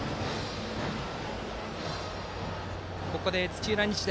ここで土浦日大